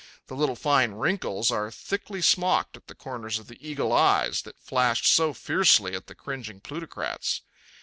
The little fine wrinkles are thickly smocked at the corners of the eagle eyes that flashed so fiercely at the cringing plutocrats.